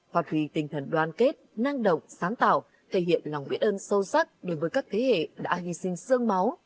hoạt vì tinh thần đoàn kết năng động sáng tạo thể hiện lòng biết ơn sâu sắc đối với các thế hệ đã hy sinh sương máu